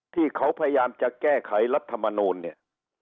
ที่เขาพยายามจะแก้ไขรัฐมนูลเนี่ย